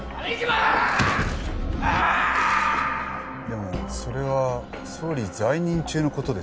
でもそれは総理在任中の事ですよね？